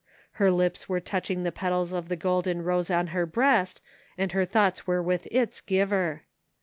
Her lips were touching the petals of the golden rose on her breast and her thoughts were with its giver.